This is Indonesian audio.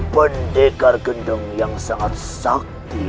pendekar gendut yang saat sakti